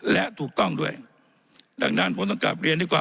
และถูกต้องด้วยดังนั้นผมต้องกลับเรียนดีกว่า